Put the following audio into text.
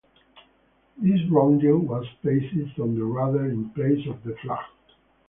This roundel was placed on the rudder in place of the flag.